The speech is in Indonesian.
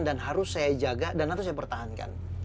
dan harus saya jaga dan harus saya pertahankan